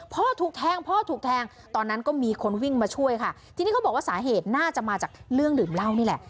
พ่อถูกแทงพ่อถูกแทงตอนนั้นก็มีคนวิ่งมาช่วยค่ะทีนี้เขาบอกว่าสาเหตุน่าจะมาจากเรื่องดื่มเหล้านี่แหละ